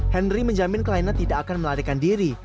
henry menjamin kelainan tidak akan melarikan diri